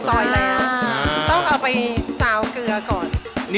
ต้องเอาไปเปล่าเกลือก่อน